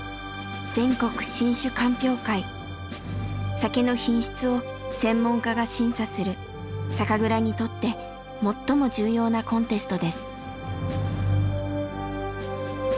酒の品質を専門家が審査する酒蔵にとって最も重要なコンテストです。